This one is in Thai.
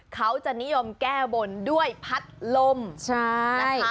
เขาจะนิยมแก้บนด้วยพัดลมนะคะ